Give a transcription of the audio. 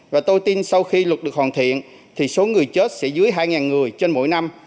và tôi tin sau khi luật được hoàn thiện thì số người chết sẽ dưới hai người trên mỗi năm